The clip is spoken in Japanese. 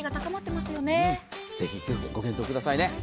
ぜひご検討くださいね。